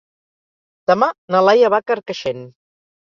Demà na Laia va a Carcaixent.